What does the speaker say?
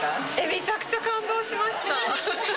めちゃくちゃ感動しました。